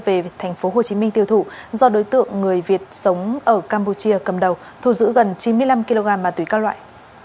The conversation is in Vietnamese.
về tp hcm tiêu thụ do đối tượng người việt sống ở campuchia cầm đầu thu giữ gần chín mươi năm kg ma túy các loại